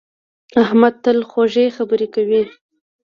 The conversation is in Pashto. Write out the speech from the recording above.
احمد تل خوږې خبرې کوي.